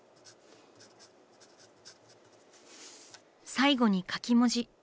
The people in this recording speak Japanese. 最後に書き文字。